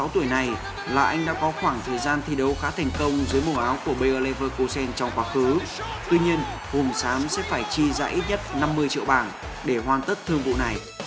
tuy nhiên hùng sám sẽ phải chi ra ít nhất năm mươi triệu bảng để hoàn tất thương vụ này